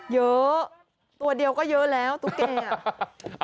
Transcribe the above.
เยอะตัวเดียวก็เยอะแล้วตุ๊กแกอ่ะ